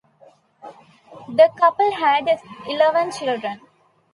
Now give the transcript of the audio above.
The couple had eleven children.